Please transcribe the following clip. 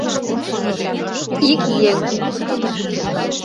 Ик еҥ.